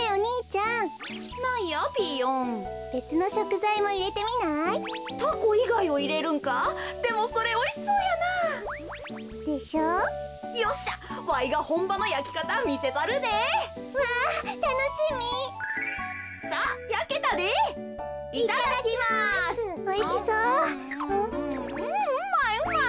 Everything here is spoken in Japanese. うんうまいうまい。